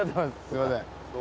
すいません。